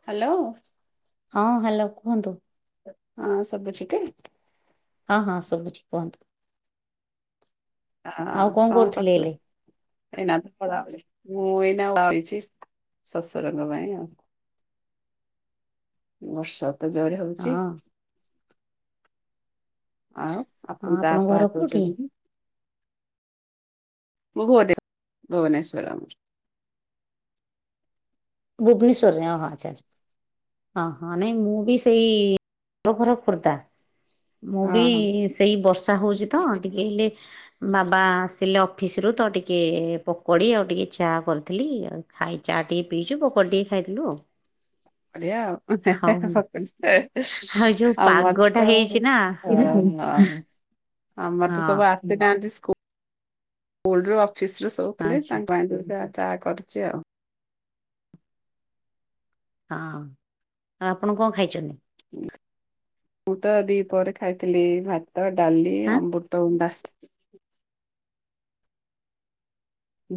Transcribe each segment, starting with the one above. Hello. ହଁ hello କୁହନ୍ତୁ। ହଁ ସୁବୁଚି ତ? ହଁ -ହଁ ସୁବୁଚି କୁହନ୍ତୁ। ଅ ଆଉ କଣ କରୁଥିଲେ କରିଥିଲେ ହେଲେ ଏଇନା ତ ମୁଁ ଏଇନା ବଇଚି। ଶଶୁର ଙ୍କ ପାଇଁ ଆଉ ବର୍ଷା ତ ଜୋର ହଉଛି। ହଁ ଆଉ ହଁ ଆପଣ ତା ଆପଣଙ୍କ ପା ଘର କୋଉଠି [unintelligible] [unintelligible] ଭୁବନେଶ୍ଵର। ଭୁବନେଶ୍ୱରରେ ହଁ ଆଚ୍ଛା ଆଚ୍ଛା। ହଁ ହଁ, ନାଇଁ ମୁଁ ବି ସେଇ [unintelligible] ଆମ ଘର ଖୋର୍ଦ୍ଦା। ମୁଁ ହଁ ବି ହଁ। ସେଇ ବର୍ଷା ହଉଛି ତ ଟିକେ ହେଲେ ବାବା ଆସିଲେ ଅଫିସ ରୁ ତ ଟିକେ ପକୁଡ଼ି, ଆଉ ଟିକେ ଚାହା କରିଥିଲି, ଆଉ ଖାଇ ଚା ଟିକେ ପିଇକି ପକୁଡ଼ି ଟିକେ ଖାଇଥିଲୁ ଆଉ। ବଢିଆ ହଉ ଆଉ ଯୋଉ ପାଗଟା ହେଇଛି ନା [unintelligible] [inaudible] ଆମର ତ ସବୁ ହଁ ଆସିନାହାନ୍ତି ସ୍କୁଲ ରୁ ଅଫିସ ରୁ। ଆଚ୍ଛା ତାଙ୍କ ପାଇଁ ଦୁଇ ଟା ଚା କରୁଚି ଆଉ। ହଁ ଆଉ ଆପଣ କଣ ଖାଇଛନ୍ତି? ମୁଁ ତ ଦି ପରେ ଖାଇଥିଲି ଭାତ ଡାଲି ଆଁ ଅମୃତ ଅଣ୍ଡା।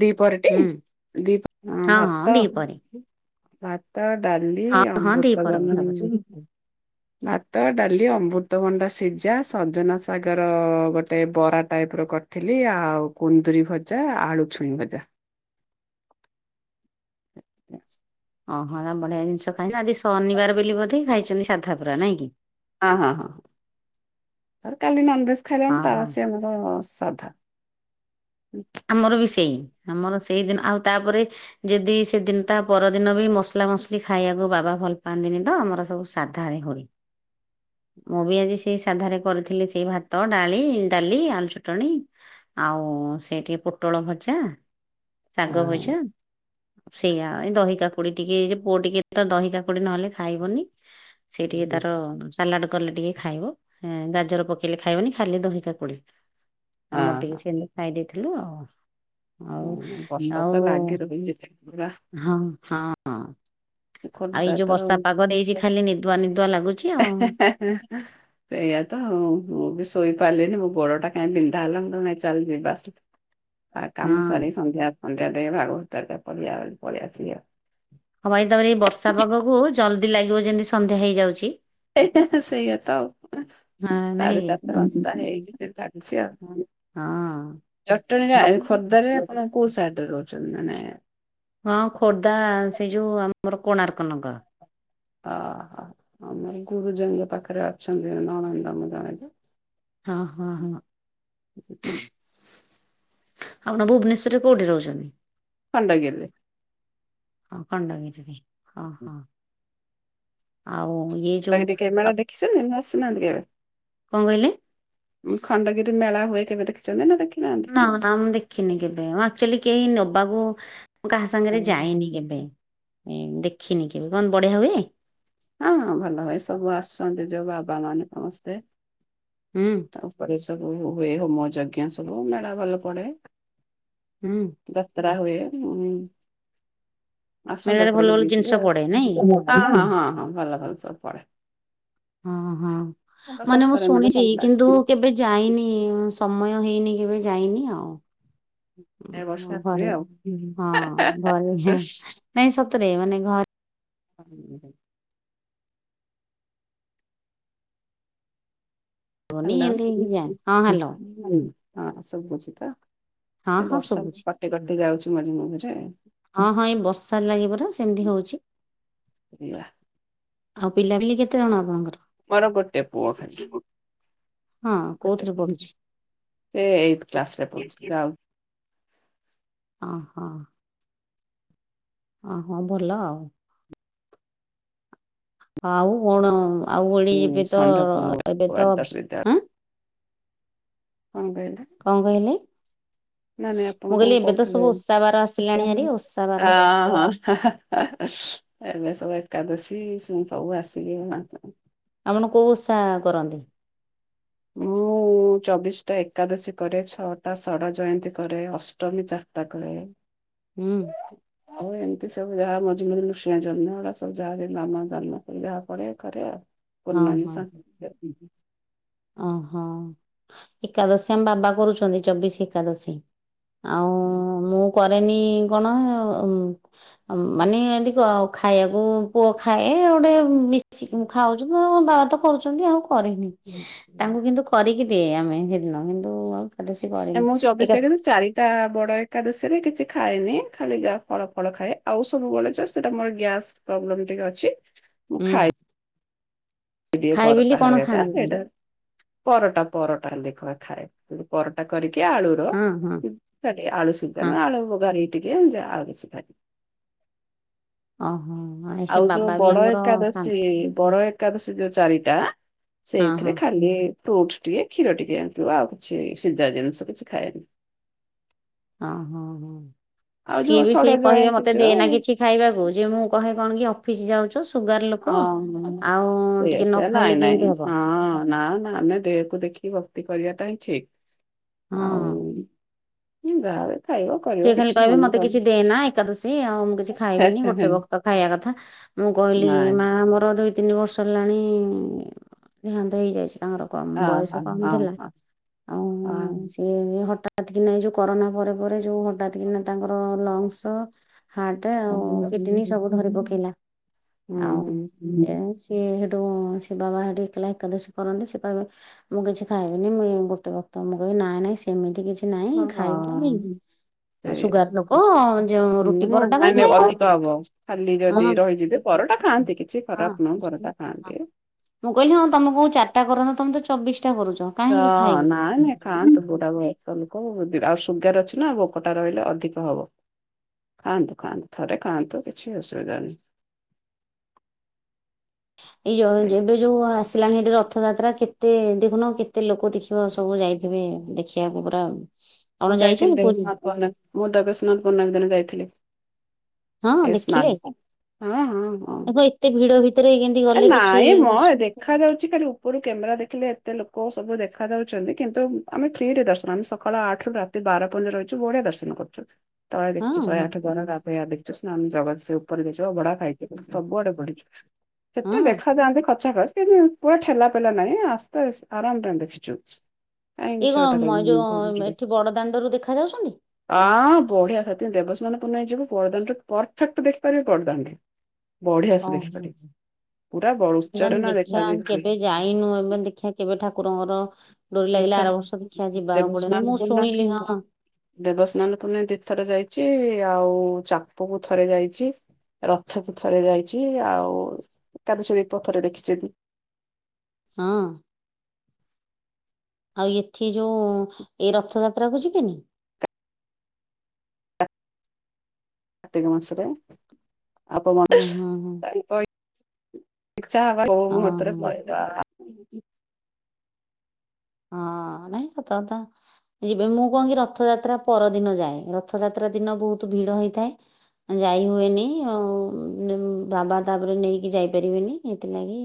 ଦି ହୁଁ ପରେଟି ଦି ହଁ ଭାତ। ଭାତ ଡାଲି ହଁ ହଁ ଦିପହର ଅମୃତବ କଥା କହୁଛ। [inaudible] ଭାତ ଡାଲି ଅମୃତଭଣ୍ଡା ସିଝା ସଜନା ସାଗର ଗୋଟେ ବରା ଟାଇପ୍ ର କଟ ଥିଲି ଆଉ କୁନ୍ଦୁରି ଭଜା ଆଉ ଆଳୁ ଛୁଇଁ ଭଜା। [inaudible] ଅଁ ହଁ ତା ବଢିଆ ଜିନିଷ ଖାଇିଲ ଆଜି ଶନିବାର ବେଲି ବଧେ ଖାଇଛନ୍ତି ସାଧା ପୁରା ନାଇଁ କି? [unintelligible] ଅ ହଁ ହଁ ସାଧା। ଆମର ବି ସେଇ ଆମର ସେଇଦିନ ଆଉ ତାପରେ ଯଦି ସେଦିନ ତା ପରଦିନ ବି ମସଲା ମସଲି ଖାଇବାକୁ ବାବା ଭଲ ପାଆନ୍ତିନି ତ ଆମର ସବୁ ସାଧାଏ ହୁଏ। [inaudible] ମୁଁ ବି ଆଜି ସେ ସାଧାରେ କରିଥିଲି ସେଇ ଭାତ, ଡାଳି, ଡାଲି, ଆଳୁ ଚଟଣି। ଆଉ ସେଇଟି ପୋଟଳ ଭଜା, ଶାଗ ହଁ ଭଜା। ସେଇଆ ଏଇ ଦହି କାକୁଡି ଟିକେ ପୁଅ ଟିକେ ତ ଦହି କାକୁଡି ନହେଲେ ଖାଇବନି। ସେ ଟିକେ ତାର ସାଲାଡ କଲେ ଟିକେ ଖାଇବ ଗାଜର ପକେଇଲେ ଖାଇବନି ଖାଲି ଦହି କାକୁଡ଼ି। ଆମର ଟିକେ ହଁ ସେମିତି ଖାଇ ଦେଇଥିଲୁ ଆଉ। ଅଉ ହଁ ବର୍ଷା ତ ଆଉ ଲାଗି ରହିଛି ପୁରା ହଁ ହଁ। ଆଉ ଏଇ ଖୋର୍ଦ୍ଧା ଯୋଉ ବର୍ଷା ପାଗ ଦେଇଛି ତ ଖାଲି ନିଦୁଆ ନିଦୁଆ ଲାଗୁଛି ଆଉ। [inaudible] ସେଇୟା ତ ଆଉ ମୁଁ ବି ଶୋଇପାରିଲିନି ମୋ ଗୋଡଟା କାଇଁ ବିନ୍ଧା ହେଲା ମୁଁ ନାଇଁ ଚାଲ୍ ଯିବା ବାସ। ହଁ। କାମ ସାରି ସନ୍ଧ୍ୟା ସନ୍ଧ୍ୟା ଦେ ଭାଗବଟା ପରିଆ ପଳେଇଆସିକି ଆଉ। ହଁ ବାଇଦବରେ ଏଇ ବର୍ଷା ପାଗକୁ ଜଲଦି ଲାଗିବ ଯେମିତି ସନ୍ଧ୍ୟା ହେଇଯାଉଛି। ହେଁ ହେଁ ହେଁ ସେଇଆ ତଉ। ସାଢେ ହଁ ନାହିଁ। ଚାରଟା ପାଂସଟା ହେଇ ଡାକୁଚି ଆଉ। ହଁ। ଜଟଣୀ ରାଏ ଖୋର୍ଦ୍ଧା ରେ ଆପଣ କୋଉ ସାଇଡରେ ରହୁଛନ୍ତି ମାନେ ହଁ ଖୋର୍ଦ୍ଧା ସେ ଯୋଉ ଆମର କୋଣାର୍କ ନଗର। ଅ ହ ଆମର ଗୁରୁଜନଙ୍କ ପାଖରେ ଅଛନ୍ତି ନନନ୍ଦମ ଜଣକ। ହଁ ହଁ ହଁ। ଆପଣ ଭୁବନେଶ୍ୱରରେ କୋଉଠି ରହୁଛନ୍ତି? ଖଣ୍ଡଗିରି ରେ। ଅଁ କଣ୍ଡଗିରି ରେ ଅଁ ହଁ। ଆଉ ଇଏ ତ ଯୋଉ ଏଟି ଆଉ କ୍ୟାମେରା ଦେଖିଛନ୍ତି ନା ଆସିନାହାନ୍ତି କେବେ? କଣ କହିଲେ? ଉଁ ଖଣ୍ଡଗିରି ମେଳା ହୁଏ କେବେ ଚନ୍ତି ନା ଦେଖିନାହାନ୍ତି। ନା ନା ମୁଁ ଦେଖିନି କେବେ ମୁ ଆକ୍ଚୁଲି କେହି ନବାକୁ ମୁଁ କାହା ସାଙ୍ଗରେ ଓହୋ। ଯାଇନି କେବେ ଦେଖିନି କେବେ କଣ ବଢିଆ ହୁଏ? ଅଁ ଭଲ ହୁଏ ସବୁ ଆସୁଛନ୍ତି ଯୋଉ ବାବା ମାନେ ସମସ୍ତେ। ହୁଁ। ତା ଉପରେ ସବୁ ହୁଏ ହୋମ ଯଜ୍ଞ ସବୁ ମେଳା ଭଲ ପଡେ। ହୁଁ। ଯାତ୍ରା ହୁଏ ମୁ ଆସନ୍ତୁ ମେଳାରେ ଭଲ ଯାତ୍ରା ଭଲ ବୁଲିକି ଜିନିଷ ଯିବେ ପଡେ ନାଇଁ ଆଉ। ହ ହଁ ହଁ ହଁ ଭଲ ଭଲ ସବୁ ପଡେ। ହଁ ହଁ ତ ମାନେ ମୁଁ ଶସ୍ତାରେ ମିଳେ ଶୁଣିଛି ଭଲ କିନ୍ତୁ ଲାଗେ। କେବେ ଯାଇନି ଉଁ ସମୟ ହେଇନି କେବେ ଯାଇନି ଆଉ। ଏ ବର୍ଷ ଉଁ ଆସିବେ ଘରେ ଆଉ ହ୍ୟାଲୋ। ହଁ ଘରେ ହିଁ ନାଇଁ ସତରେ ମାନେ ଘରେ [unintelligible] ହବନି ହ୍ୟାଲୋ। ଏମିତି ହେଇକି ଯାଏନି ହଁ ହୁଁ ହ୍ୟାଲୋ ହଁ ଶୁଭୁଚି ତ ହଁ ଏ ହଁ ଶୁଭୁଛି। ବର୍ଷାକୁ କଟି କଟି ଯାଉଚି ମଝି ମଝିରେ। ହଁ ହଁ ଏଇ ବର୍ଷା ଲାଗି ପରା ସେମିତି ହଉଚି। ଏଇଆ ଆଉ ପିଲାପିଲି କେତେ ଜଣ ଆପଣଙ୍କର? ମୋର ଗୋଟେ ପୁଅ। ହଁ ଗୋଟେଏ କୋଉଥିରେ ପୁଅ ପଢୁଛି? ସେ ଏଇଟ କ୍ଲାସ୍ ରେ ପଢୁଛି ତ ଆଉ। ଅଁ ହଁ। ଅଁ ହଁ ଭଲ ଆଉ। ଆଉ କଣ? ଆଉ ଓଳି ହୁଁ ଏବେ ତ ଷଣ୍ଢପୁର ଏବେ ତ ଆଦର୍ଶ ବିଦ୍ୟାଳୟ ଏଁଅଁ କଣ କହିଇଲା? କଣ କହିଲେ? ନାଁ ନାଇଁ ଆପଣ ମୁଁ କହିଲି କଣ ଏବେ ତ କହୁଥିଲେ? ସବୁ ଓଷା ବାର ଆସିଲାଣି ହାରି ପିତାମ୍ବରୀ ଓଷା ବାର ଆଁ ଅଁ ଅଁ ଅଁ ହଁ। ହେଁ ହେଁ ଏବେ ସବୁ ଏକାଦଶୀ ସୁଁ ଫବୁ ଆସିକି ମା ଆପଣ କୋଉଁ ଓଷା କରନ୍ତି? ମୁଁ। ମୁଁ ଚବିଶୀଟା ଏକାଦଶୀ କରେ ଛଅଟା ଷଡ଼ ଜୟନ୍ତୀ କରେ ଅଷ୍ଟମୀ ଚାରିଟା କରେ। ହୁଁ। ମୁଁ ଏମିତି ସବୁ ଯାହା ମଝି ମଝି ରେ ନୃସିଂହ ଜନ୍ମ ଏଗୁରା ସବୁ ଯାହା ବ୍ରାହ୍ମଣ ଦାନ ପୂଜା ଯାହା ପଡେ କରେ ଆଉ। ହଁ ପୁର୍ଣ୍ଣମୀ ହଁ ସଁ ସେତିକି ଓହୋ ଏକାଦଶୀ ଆମ ବାବା କରୁଛନ୍ତି ଚବିଶୀ ଏକାଦଶୀ। ଆଉ ମୁଁ କରେନି କଣ? ଅଁମଁ ମାନେ ଏନ୍ତି କଣ ଖାଇଆକୁ ପୁଅ ଖାଏ ଗୋଟେ ବିଷ ସି ଖାଉଛୁଁ ବାବା ତ କରୁଛନ୍ତି ଆଉ କରିନି ତାଙ୍କୁ କିନ୍ତୁ କଁ କରିକି ଦିଏ ଆମେ ସେଦିନ କିନ୍ତୁ ଆଉ ଏକାଦଶୀ କରିନି ଏକା ଟା ବଡ଼ ଏକାଦଶୀରେ କିଛି ଖାଁଏନି ଖାଲି ଯା ଫଳ ଫଳ ଖାଏ ଆଉ ସବୁ ବେଳେ ଯୋଉଁ ସେଟା ମୋର ଗ୍ୟାସ୍ ପ୍ରୋବ୍ଲେମ୍ ଟିକେ ଅଛି। ମୁଁ ହୁଁ ଖାଇ ଦିଏ ଖାଏ ପରଟା ବେଲି କଣ ହେରିକା ଖାଆନ୍ତି। ଏଇଟା ପରଟା ପରଟା ଲେଖବା ଖାଏ ପରଟା କରିକି ଆଳୁର। ହଁ ହଁ କଡ଼ି ଆଳୁ ହଁ ଶିଦାନ ଆଳୁ ବଘାରି କି ଟିକେ ଯାହା ଅଉ ଆଳୁ ଖାଏ। ଓହୋ ସେ ଆଉ ଯୋଉଁ ବାବା ବି ବଡ ଆମର ଏକାଦଶୀ ଖାଆନ୍ତି ବଡ ଏ ଏକାଦଶୀ ଯୋଉଁ ଚାରିଟା ହଁ ହଁ। ସେଇଥିରେ ଖାଲି ଫ୍ରୁଟସ ଟିକେ କ୍ଷୀର ଟିକେ ଆଉ ପିଉ ସେଇ ସିଝା ଜିନିଷ କିଛି ଖାଏନି। ଅଁ ହୋ। ଆଉ ସିଏ ଯୋଉ ବି ଷଡ ସେ କହିବେ ଜୟନ୍ତୀ ମୋତେ ଯୋଉ ଦେନା କିଛି। ଖାଇବାକୁ ଯେ ମୁଁ କହେ କଣ କି ଅଫିସ୍ ଯାଉଚ ଅଁ ହଁ ସେଇଆ ଟିକେ ନ ସେୟା ଖାଇଲେ ନାଇଁ କେମିତି ନାଇଁ ହବ ହଁ ନାଁ ନାଁ ଆମେ ଦେହକୁ ଦେଖି ଭକ୍ତି କରିବାଟା ହିଁ ଠିଁକି ହଁ ହଁ। ଆଉଁ ମୁଁ ଯାଏଁ ଖାଇବ। କରିବ ସେ ଖାଲି କିଛି କହିବେ ମନ ମୋତେ କିଛି ଦେ ନାଁ ଏକାଦଶୀ ଆଉ ମୁଁ କିଛି ଖାଇବିନି ଗୋଟେ କରୁନି। ବକ୍ତ ଖାଇଆ କଥା। ମୁଁ କହିଲି ନାଇଁ ମା ମୋର ଦୁଇ ତିନି ବର୍ଷ ହେଲାଣି ଦେହାନ୍ତ ହେଇଯାଇଚି ତାଙ୍କର କମ ଅହ ବୟସ କମ ହଁ ଥିଲା ହଁ। ଆଉଁ ହଁ ସିଏ ବି ହଟାତ୍ ହଠାତ୍ କିନା ଏଇ ଯୋଉଁ କରୋନା ପରେ ପରେ ଯୋଉଁ ହଠାତ କିନା ତାଙ୍କର ଲଙ୍ଗସ ହାଟେ ଆଉ ହଁ କିଡନୀ ସବୁ ଧରି ହୁଁ। ପକେଇଲା ଆଉ ଲେଏନ୍ସ ସିଏ ହେଠୁଁ ସେ ବାବା ହେଠି ଏକଲା ଏକାଦଶୀ କରନ୍ତି ସେ ପା ଗା ମୁଁ କିଛି ଖାଇବିନି ମୁଁ ଗୋଟେ ବକ୍ତ ମୁଁ କହିବି ନାଇଁ ନାଇଁ ସେମିତି କିଛି ନାଇଁ ଖାଇବିନି ହଁ ସେଇଆ ଯୋଉ ରୁଟି ଉଁ ପରଟା ନାଇଁ ନାଇଁ କାହିଁ ଅଧିକ ଖାଇବ ହବ ଖାଲି ଯଦି ହଁ ରହିଯିବେ। ପରଟା ଖାଆନ୍ତି କିଛି ହଁ ଖରାପ ନୁହେଁ ପରଟା ହଁ ଖାଆନ୍ତି। ମୁଁ କହିଲି ହଁ ତମକୁ ଚାରିଟା କରନ୍ତ ତମେ ତ ଚବିଶ ଟା କରୁଛ କାହିଁକି ହଁ ଖାଇବି। ନାଇ ନ ଖାଆନ୍ତୁ ବୁଢା ଭାଇ ତମକୁ ଆଉ ସୁଗାର ଅଛି ନା ଭୋକଟା ରହିଲେ ଅଧିକ ହବ ଖାଆନ୍ତୁ ଖାଆନ୍ତୁ ଥରେ ଖାଆନ୍ତୁ କିଛି ଅସୁବିଧା ନାହିଁ ଏଇ ଯ ଏବେ ଯୋଉ ଆସିଲାଣି ଏଠି ରଥଯାତ୍ରା କେତେ ଦେଖୁନ କେତେ ଲୋକ ଦେଖ ଖିବ ସବୁ ଯାଇଥିବେ ଦେଖିବାକୁ ପୁରା ମୁଁ ଆପଣ ଯାଇଥିଲି ଯାଇଛନ୍ତି ପୁରୀ ଦେବସ୍ନାନ ପୂର୍ଣ୍ଣମୀ ମୁଁ ଦେବସ୍ନାନ ପୂର୍ଣ୍ଣମୀ ଦିନ ଯାଇଥିଲି ହଁ ଏ ସ୍ନାନ ଦେଖିଲେ ପୂର୍ଣ୍ଣିମା। ହଁ ହଁ ହଁ। ଏବେ ଏତେ ଭିଡ ଭିତରେ କେମିତି ଗଲେ କିଛି ଅସ ଦେଖାଯାଉଛି ଖାଲି ଉପରୁ କ୍ୟାମେରା ଦେଖିଲେ ଏତେ ଲୋକ ସବୁ ଦେଖାଯାଉଛନ୍ତି କିନ୍ତୁ ଆମେ ଫ୍ରିରେ ଦର୍ଶନ ଆମେ ସକାଳ ଆଠ ଠରୁ ରାତି ବାର ପ ରହିଛୁ ବଢିଆ ଦର୍ଶନ କରୁଛୁ ତଳେ ହଁ ଦେଖଛୁ ଶହେ ଆଠ ଜଣ ରା ଦେଖୁ ସ୍ନାନ ଜଗତସିଂହ ଉପରେ ଅଭଡା ଖାଇ ଏ ସବୁଆଡେ ବଢିଛି ସେତେ ହଁ ଦେଖା ଯାଆନ୍ତି ଖଚେକେ କି ପୁଅ ଠେଲା ପେଲା ନାଇଁ ଆସ୍ତେ ଆରାମରେ ଦେଖିଛୁ କାଇଁ ଇଏ ମିଛ କଥା କଣ କହିବି ଯୋଉ ମୁଁ ଏଠି ବଡ ଦାଣ୍ଡରୁ ଦେଖା ଯାଉଛନ୍ତି ହଁ ବଢିଆ ସେଠି ଦେବସ୍ନାନ ପୁର୍ଣିମା ଯିବୁ ବଡଦାଣ୍ଡ ପରଫେକ୍ଟ ଦେଖିପାରିବେ ବଡଦାଣ୍ଡେ ବଢିଆସେ ଦେଖିପାରିବୁ ପୁରା ବ ନହେଲେ ଦେଖିବା କେବେ ଯାଇନୁ ଏବେ ଦେଖିବା କେବେ ଠାକୁରଙ୍କର ଡୋରି ଲାଗିଲା ତୀର୍ଥରେ ଆର ବର୍ଷ ଦେଖିଆ ଯିବାକୁ ଦେବସ୍ନାନ ପଡେନ ମୁଁ ପୂର୍ଣ୍ଣିମା ଶୁଣିଲି ସେଇ ହଁ ହଁ ଦେବସ୍ନାନ ପୂର୍ଣ୍ଣିମା ଦି ଥର ଯାଇଛି ଆଉ ଚାପକୁ ଥରେ ଯାଇଛି ରଥକୁ ଥରେ ଯାଇଛି ଆଉ ତାପରେ ଶିଳ୍ପ ପରେ ଦେଖିଛନ୍ତି ହଁ ଆଉ ଏଠି ଯୋଉ ଏଇ ରଥ ଯାତ୍ରାକୁ ଯିବେନି କାର୍ତ୍ତିକ ମାସରେ ଆପଣ ମା ହୁଁ ହୁଁ ହୁଁ ତାଙ୍କ ଇ ଇଛା ହବନା କୋଉ ମୁହୂର୍ତ୍ତ ରେ ପଳେଇବା ହୁଁ ହୁଁ ହଁ ନାଇଁ ସତକଥା ଯିବେ ମୁଁ କଣ କି ରଥଯାତ୍ରା ପରଦିନ ଯାଏ ରଥଯାତ୍ରା ଦିନ ବହୁତ ଭିଡ ହେଇଥାଏ ଯାଇ ହୁଏନି ଆଉ ବାବା ତାପରେ ନେଇକି ଯାଇପାରିବେନି ହେଥିଲାଗି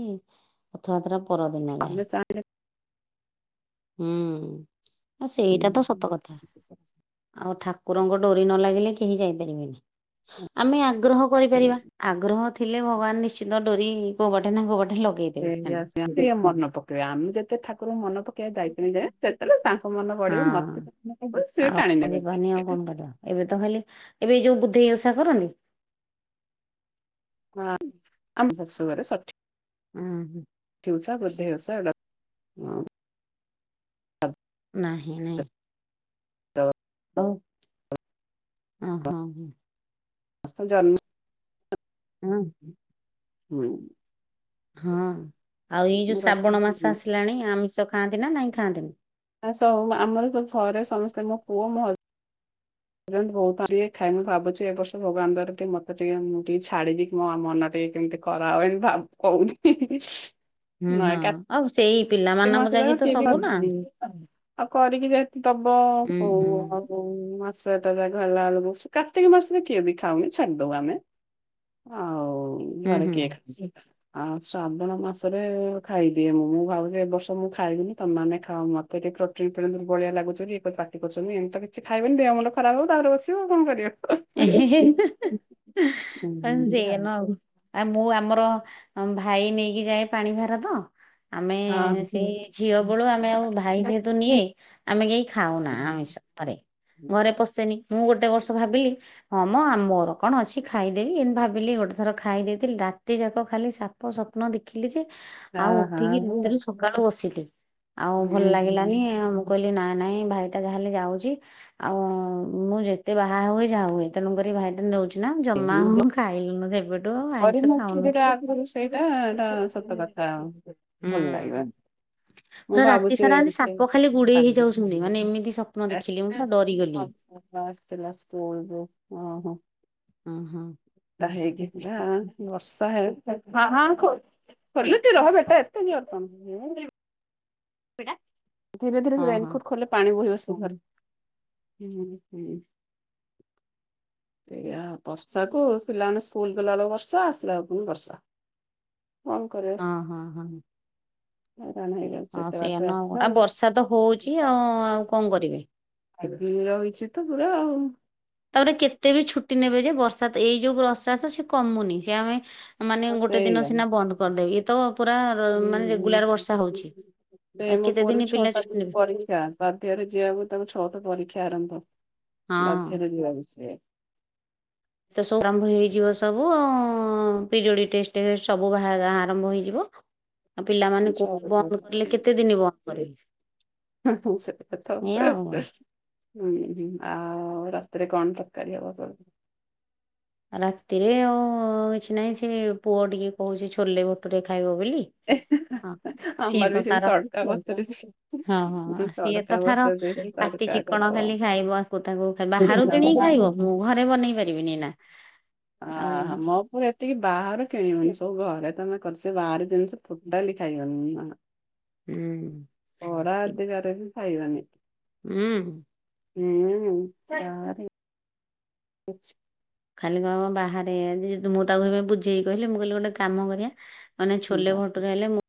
ରଥଯାତ୍ରା କରନ୍ତି ନାହିଁ ତମେ ଚାହିଁଲେ ହୁଁ ଆଉ ସେଇଟା ତ ସତ କଥା ଆଉ ଠା ଠାକୁରଙ୍କ ଡୋରି ନ ଲାଗିଲେ କେହି ଯାଇପାରିବେନି ଆମେ ଆଗ୍ରହ କରିପାରିବା ଆଗ୍ରହ ଥିଲେ ଭଗବାନ ନିଶ୍ଚିତ ଡୋରି କୋଉବାଟେ ନା କୋଉବାଟେ ଲ ସେଇଆ ସେମିତି ମନେ ପକେଇବା ଆମେ ଯେତେ ଠାକୁରଙ୍କୁ ମନ ପ ପକେଇବା ଦାୟିତ୍ୱ ଏଇଟା ସେତେବେଳେ ତାଙ୍କ ମନ ପଡିବ ହଁ ମତେ ସିଏ ଆଉ ଟାଣି ଯିବାନି ଆଉ ନେବେ କଣ କରିବା ଏବେ ତ ଖାଲି ଏବେ ଯୋଉ ବୁଦ୍ଧେଇ ଓଷା କରନି ହଁ ଆମ ଶାଶୁ କରେ ସଠି ହୁଁ ହୁଁ ଟି ଓଷା ବୁଧେଇ ଓଷା ନାହିଁ ନାଇଁ ତ ହଉ ଓ ହୋ ହୋ। ଆ ଜନ୍ମ [unintelligible] ହୁଁ। ହୁଁ। ହଁ ଆଉ ଏଇ ଯୋଉ ମୁଁ ଶ୍ରାବଣ ମାସ ରଖୁଛି ଆସିଲାଣି ଆମିଷ ଖାଆନ୍ତି ନା ନହିଁ ଖାଆନ୍ତିନି। ଆ ସ ଆମର ତ ଘରେ ସମସ୍ତେ ମୋ ପୁଅ ମ ବହୁତଏ ଖାଇ ମୁ ଭାବୁଛି ଏବ ବର୍ଷ ଭଗାନ ଦ୍ାରା ଟିକେ ମତେ ଟିକେ ମୁଁ ଟିକେ ଛାଡ଼ିବି ମୋ ମନ ଟ କେମତି। କରା ହଏନ ଭାବ କହୁନି। ହୁଁ ହଁ ଆଉ ସେଇ ପିଲା। [unintelligible] ଆଉ କରିକି ଯେତି ହୁଁ ହୁଁ [unintelligible] କାର୍ତିକ ମାସରେ କିଏ ବି ଖାଉନି ଛାଡିଦବଉ ଆମେ। ହଉ। ହୁଁ ଘରେ କିଏ ଖାଇ ଆଉ ଶ୍ରାବଣ ମାସରେ ଖାଇଦିଏ ମୁଁ ମୁଁ ଭାବଛି। ବର୍ଷ ମୁଁ ଖାଇବିନନି ତମାନେ ଖା ମତେ ଟେ ରୋ ଭଳିଆ ଲାଗୁ [unintelligible] ଇଏଟି କରୁଛନ୍ତିି କିଛି ଖାଇବେନି ଦେହ ଅମଳ ଖରାପ ହଉ ତାପରେ ବସିବ ଆଉ କଣ କରିବ। ଏମିତି ଆଉ [unintelligible] ଆ ମୁଁ ଆମର ଭାଇ ନେଇକି ଯାଏ ପାଣି ଭାର ତ। ଆମେ ସେଇ ଝିଅ ହଁ। ବେଳୁ ଆମେ ଆଉ ଭାଇ ଯେହେତୁ ନିଏ। ଆମେ କେହି ଖାଉନା ଆମିଷ ଘରେ ଘରେ ପଶେନି ମୁଁ ଗୋଟେ ବର୍ଷ ଭାବିଲି। ହଁ ମଁ ମୋର କଣ ଅଛି ଖାଇଦେବି ଏମତି ଭାବିଲି ଗୋଟେ ଥର ଖାଇଦେଇଥିଲି ରାତି ଯାକ ଖାଲି ସାପ ସପନ। ହ ଦେଖିଲି ଯେ ଆଉ ହଁ ହଁ ଉଠିକି ହୁଁ ଭିତରେ ସକଳୁ ବସିଛି। ଆଉ ଭଲ ହୁଁ ଲାଗିଲାନି। କହିଲି ନାଁ ନାଇଁ ଭାଇଟା ଯାହାଲେ ଯାଉଛି ଆଉ ମୁଁ ଯେତେ ବାହା ହୁଏ। ଯା ହୁଏ ତେଣୁକ ଭାଇଟା ନେଉଛି ନା ଜମା ହ ଖାଇଲୁନସେବେଠୁଁ। [unintelligible] ଭଲ ଲାଗିଲା। ରାତି ସାରା ମ ସାପ ଖାଲି ଗୁଡେଇ ହେଇ ଯାଉଛନ୍ତି ମାନେ ଏମିତିସପନ। ମୁଁ ଦେଖିଲି ମୁଁ ତ ଡରିଗଲି। [unintelligible] ହଁ ହଁ [unintelligible] ହଁ ହଁ ଖ ଖଲତିଲ ବେଟା [unintelligible] ଧୀରେ ଧୀରେ ହଁ ରେନକୋଟ ହଁ ଖଲେ ପାଣି ବୋହିବ ସିଧାରେ। ହୁଁ ହୁଁ। ହ [inaudible] ସୋ ବର୍ଷାକୁ ପିଲାମାନେ ସ୍କୁଲ ପିଲା ବେଳକୁ ବର୍ଷା ଆସିଲା ବେକୁ ବର୍ସା। କଣ କରି ବ। ହଁ ହଁ ହଁ ସେଇଆା ନ କ ଆଉ ବର୍ଷା ତ ହଉଛି ଆଉ ଆଉ କଣ କରିବି। ଆଜି ରହିଛି ତ ପୁରା ଆଉ। ତାପରେ କେତେ ବି ଛୁଟି ନେବେ ଯେ ବର୍ଷା ଏଇ ଯୋଉ ବର୍ଷା ତ ସେ କମୁନି ସେ ଆମେ। ମାନେ ଗୋଟେ ଦିନ ସେଇଆ ସିନା ବନ୍ଦ। କରିଦେବି ଇଏ ତ ପୁରା ମାନେ ରେଗୁଲାର ବର୍ଷା ହଉଛି ସେ ଆଉ ମୋ କେତେ ପୁଅର ବି ଦିନ ପିଲା ଛଅଟା ଛୁଟି ନେବେ। ପରୀକ୍ଷା ବାଧ୍ୟରେ ଯିବାକୁ ତାଙ୍କ ଛଅଟା ପରୀକ୍ଷା ଆରମ୍ଭ ହଁ। ବାଧ୍ୟରେ ଯିବାକୁ। ଏ ତ ସବୁ ଆରମ୍ଭ ହେଇଯିବ ସବୁ ପିରିୟଡି ଟଷ୍ଟ ସବୁ ବା ଆରମ୍ଭ ହେଇଯିବ। ଆଉ ହୁଁ ପିଲାମାନେ ଛଅଟା କୋଉଠି ବନ୍ଦ କରଲେେ ପରୀକ୍ଷା। କେତେ ଦିନ ବନ୍ଦ କରିବ। [unintelligible] ହୁଁ ହୁଁ ଆଉ ରତିରେ ରେ କଣ ତରକାରୀ ହବ? ରାତିରେ ଆଉ କିଛି ନାହିଁ ସେ ପୁଅ ଟିକେ କହୁଛି ଛୋଲେ ବାଟୁରେ ଖାଇବ ବୋଲି। ହ ସିଏ ଆମର ବି ତ ସେମିତି ତାରା ତଡକା ବତୁରିଛି। [unintelligible] ହଁ ମୁଁ ହଁ ସିଏ ତଡକା ତ ଥର ବତୁରେଇ ଦେଇଛି ପାଟି ତଡକା ଚିକଣ କରିଦବ। ଖାଲି ଖାଇବ ଆକୁ ତାକୁ ବାହାରୁ କିଣିକି ପିଲାମାନେ। ଖାଇବ ମୁଁ ଘରେ ବନେଇ ପାରିବିନି ଏନା। ଅ ହ ମୋ ପୁଅ ଟିକେ ବାହାର କିଣିବନି ସବୁ ଘରେ ତମେ କରଛ ବାହାରି କିଣି କି ଟୋଟାଲି ଖାଇବନି। ହୁଁ। ପଡା ଅଧିକାର କୁ ଖାଇବନି। ଉହୁଁ। ହୁଁ ହୁଁ ସାରେ କୁଛୁ ଖାଲି କହିବ ବାହାରେ ଯେହେତୁ ମୁଁ ତାକୁ ଏବେ ବୁଝେଇକି କହିଲି ମୁଁ କହିଲି ଗୋଟେ କାମ କରେ ମାନେ ଛୋଲେ ବଟୁରେ ହେଲେ ମୁଁ